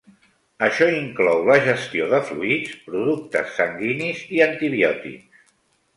Això inclou la gestió de fluids, productes sanguinis i antibiòtics.